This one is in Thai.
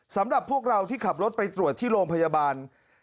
สำหรับพวกเราที่ขับรถไปตรวจที่โรงพยาบาล